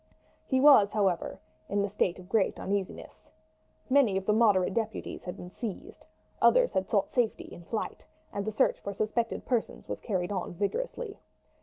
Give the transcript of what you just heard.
He was, however, in a state of great uneasiness. Many of the moderate deputies had been seized, others had sought safety in flight, and the search for suspected persons was carried on vigorously.